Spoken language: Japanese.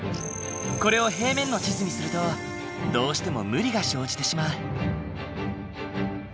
これを平面の地図にするとどうしても無理が生じてしまう。